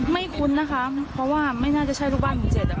ไม่คุ้นนะคะเพราะว่าไม่น่าจะใช้ลูกบ้านหมู่๗ไม่เคยเห็น